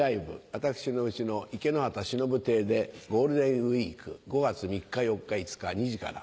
私のうちの池之端しのぶ亭でゴールデンウイーク５月３日４日５日２時から。